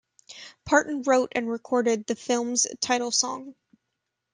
Parton wrote and recorded the film's title song.